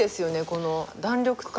この弾力感。